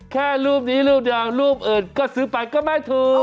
แค่รูปนี้รูปเดียวรูปอื่นก็ซื้อไปก็ไม่ถูก